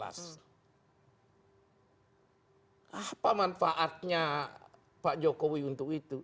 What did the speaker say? apa manfaatnya pak jokowi untuk itu